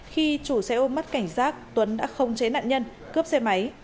khi chủ xe ôm mất cảnh giác tuấn đã không chế nạn nhân cướp xe máy